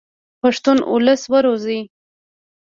پښتون اولس و روزئ.